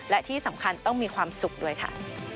และที่สำคัญต้องมีความสุขด้วยค่ะ